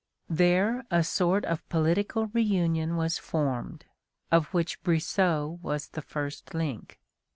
There a sort of political reunion was formed, of which Brissot was the first link.